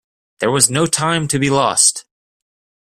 There was no time to be lost.